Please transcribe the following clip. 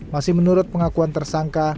masih menurut pengakuan tersangka